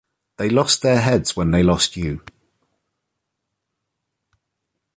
They lost their heads when they lost you.